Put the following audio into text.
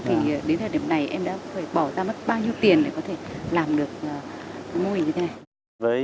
thì đến thời điểm này em đã phải bỏ ra mất bao nhiêu tiền để có thể làm được mô hình như thế này